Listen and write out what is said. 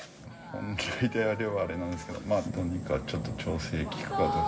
本来であればあれなんですけれども、どうにかちょっと調整利くかどうか。